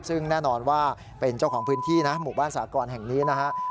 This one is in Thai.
ซึ่งแน่นอนว่าเป็นเจ้าของพื้นที่นะหมู่บ้านสากรแห่งนี้นะครับ